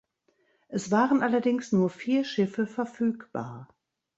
Es waren allerdings nur vier Schiffe verfügbar.